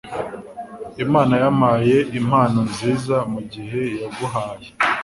imana yampaye impano nziza mugihe yaguhaye